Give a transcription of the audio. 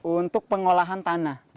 untuk pengolahan tanah